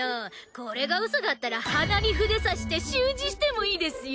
これがウソだったら鼻に筆刺して習字してもいいですよ。